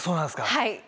はい。